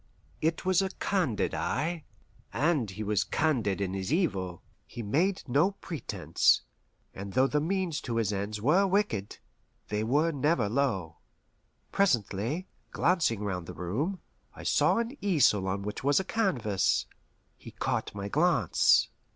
It was a candid eye, and he was candid in his evil; he made no pretense; and though the means to his ends were wicked, they were never low. Presently, glancing round the room, I saw an easel on which was a canvas. He caught my glance.